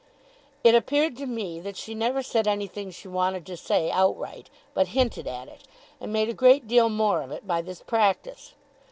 It appeared to me that she never said anything she wanted to say, outright; but hinted it, and made a great deal more of it by this practice.